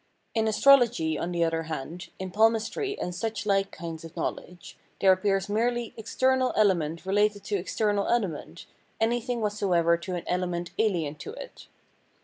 In astrology, on the other hand, in palmistry and such like kinds of knowledge, there Physiognomy 303 appears merely external element related to external element, anything whatsoever to an element alien to it.